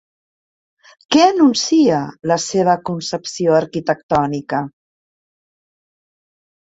Què anuncia la seva concepció arquitectònica?